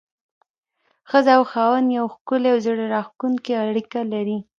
ښځه او خاوند يوه ښکلي او زړه راښکونکي اړيکه لري.